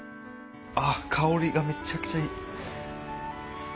あっ香りがめっちゃくちゃいい。